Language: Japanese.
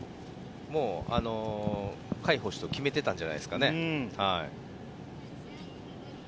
甲斐捕手と決めてたんじゃないですかね。